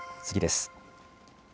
次です。